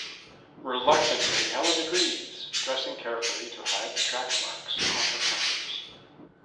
Reluctantly, Helen agrees, dressing carefully to hide the track marks on her arms.